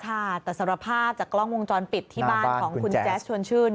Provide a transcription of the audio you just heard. ค่ะแต่สำหรับภาพจากกล้องวงจรปิดที่บ้านของคุณแจ๊สชวนชื่น